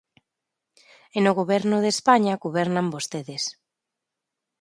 E no Goberno de España gobernan vostedes.